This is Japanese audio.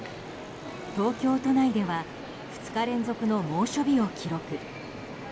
東京都内では２日連続の猛暑日を記録。